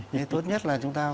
thế tốt nhất là chúng ta